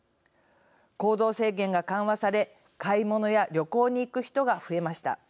行動制限が緩和され買い物や旅行に行く人が増えました。